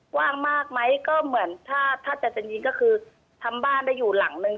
กว้างมากไหมก็เหมือนถ้าถ้าจะยิงก็คือทำบ้านได้อยู่หลังนึง